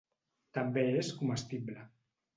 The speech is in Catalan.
També és comestible.